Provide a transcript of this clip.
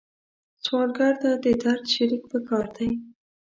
سوالګر ته د درد شریک پکار دی